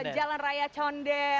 jalan raya condet